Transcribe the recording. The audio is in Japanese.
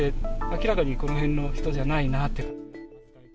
明らかにこの辺の人じゃないなっ